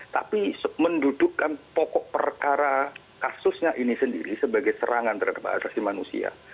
tapi mendudukkan pokok perkara kasusnya ini sendiri sebagai serangan terhadap asasi manusia